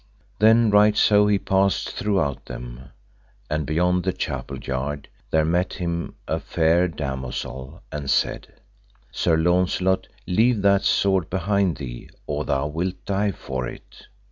Then right so he passed throughout them, and beyond the chapel yard there met him a fair damosel, and said, Sir Launcelot, leave that sword behind thee, or thou wilt die for it.